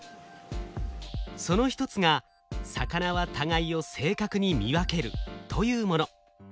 その一つが魚は互いを正確に見分けるというもの。